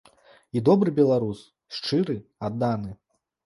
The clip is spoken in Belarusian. І добры беларус, шчыры, адданы.